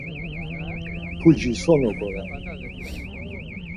Puci so noǩoram?